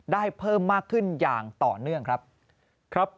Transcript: เพิ่มมากขึ้นอย่างต่อเนื่องครับ